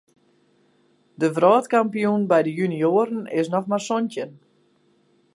De wrâldkampioen by de junioaren is noch mar santjin.